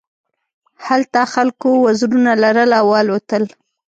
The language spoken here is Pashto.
هلته خلکو وزرونه لرل او الوتل.